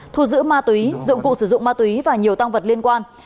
thu giữ ma túy dụng cụ sử dụng ma túy và nhiều tăng vật liên quan